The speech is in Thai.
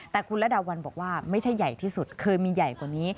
แต่คุณระดาวันบอกว่าไม่ใช่ใหญ่ที่สุดเคยมีใหญ่กว่านี้